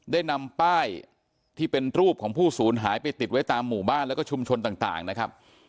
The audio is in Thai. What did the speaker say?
ได้นำป้ายที่เป็นรูปของผู้ศูนย์หายไปติดไว้ตามหมู่บ้านแล้วก็ชุมชนต่างนะครับ